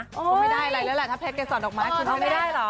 ก็ไม่ได้อะไรแล้วแหละถ้าแพ้เกสรดอกไม้คุณไม่ได้